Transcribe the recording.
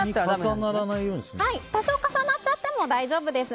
多少重なっちゃっても大丈夫です。